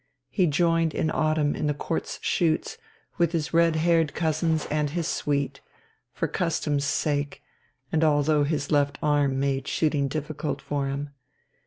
He joined in autumn in the Court's shoots with his red haired cousins and his suite, for custom's sake and although his left arm made shooting difficult for him.